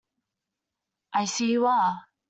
I see you are.